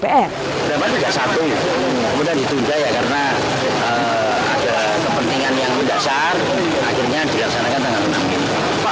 pemilikan itu tidak satu kemudian ditunjukkan karena ada kepentingan yang mendasar akhirnya dilaksanakan dengan penuh